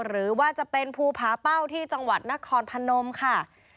หรือว่าจะเป็นภูผาเป้าที่จังหวัดนครพนมค่ะ